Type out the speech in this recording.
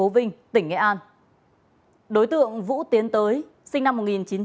và đối tượng vũ tiến tới sinh năm một nghìn chín trăm sáu mươi tám